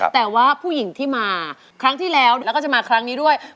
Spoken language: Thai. แต่ว่าผู้หญิงที่มาครั้งที่แล้วแล้วก็จะมาครั้งนี้ด้วย